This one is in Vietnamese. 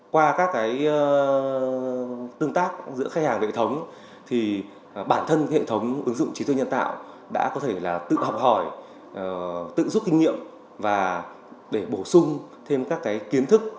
qua các tương tác giữa khách hàng và hệ thống bản thân hệ thống ứng dụng trí tuyên nhân tạo đã có thể tự học hỏi tự giúp kinh nghiệm và để bổ sung thêm các kiến thức